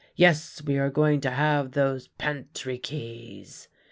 'Yes, we are going to have those pantry keys.